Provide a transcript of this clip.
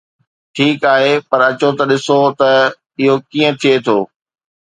ٺيڪ آهي، پر اچو ته ڏسو ته اهو ڪيئن ٿئي ٿو.